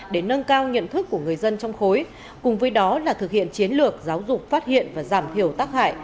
để nâng cao nhận thức của người dân trong khối cùng với đó là thực hiện chiến lược giáo dục phát hiện và giảm thiểu tác hại